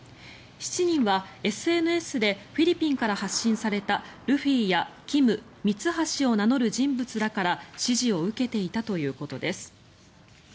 ７人はＳＮＳでフィリピンから発信されたルフィやキム、ミツハシを名乗る人物らから指示を受けていたということです。